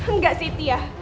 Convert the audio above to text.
enggak sih tia